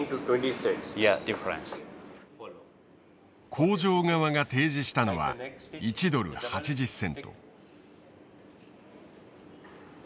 工場側が提示したのは１ドル８０セント。